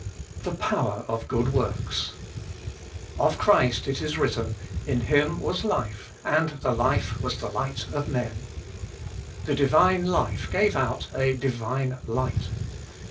The pozvcr of good works. — Of Christ it is written :* In Him was life, and the life was the light of men.' The Divine life gave out a Divine light.